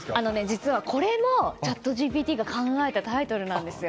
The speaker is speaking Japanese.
実はこれもチャットＧＰＴが考えたタイトルなんですよ。